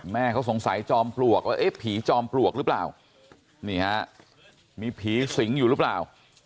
แม่เขาสงสัยจอมปลวกว่าเอ๊ะผีจอมปลวกหรือเปล่านี่ฮะมีผีสิงอยู่หรือเปล่า